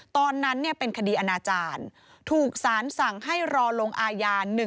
ตอนนั้นเนี่ยเป็นคดีอนาจารย์